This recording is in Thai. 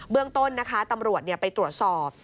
เรื่องต้นนะคะตำรวจไปตรวจสอบ